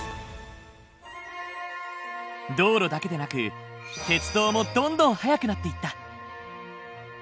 道路だけでなく鉄道もどんどん速くなっていった。